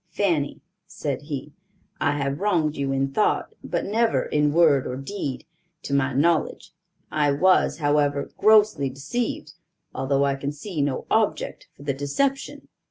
"Fanny," said he, "I have wronged you in thought, but never in word or deed, to my knowledge. I was, however, grossly deceived, although I can see no object for the deception."